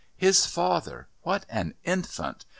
His father! What an infant!